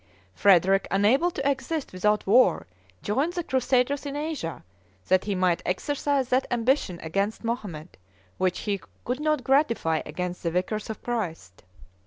Frederick, unable to exist without war, joined the crusaders in Asia, that he might exercise that ambition against Mohammed, which he could not gratify against the vicars of Christ.